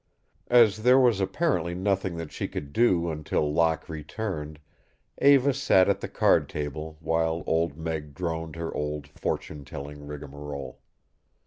As there was apparently nothing that she could do until Locke returned, Eva sat at the card table while Old Meg droned her old fortune telling rigamarole.